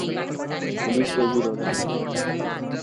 Police پہ بھی رونا ہے۔